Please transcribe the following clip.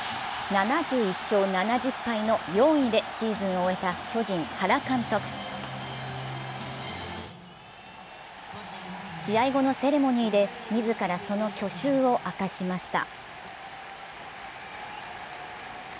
７１勝７０敗の４位でシーズンを終えた巨人・原監督試合後のセレモニーで自らその去就を明かしました。